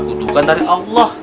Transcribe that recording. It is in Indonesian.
kutukan dari allah